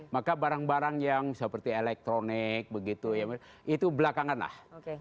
maka barang barang yang seperti elektronik begitu itu belakangan lah